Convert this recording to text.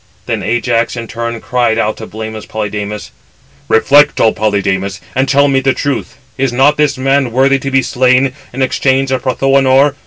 Then Ajax in turn cried out to blameless Polydamas: "Reflect, O Polydamas, and tell me the truth; is not this man worthy to be slain in exchange of Prothoënor?